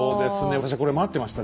私はこれ待ってました。